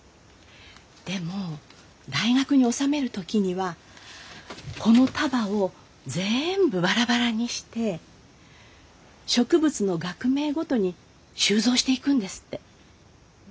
でも大学に収める時にはこの束を全部バラバラにして植物の学名ごとに収蔵していくんですって。